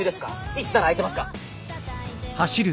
いつなら空いてますか？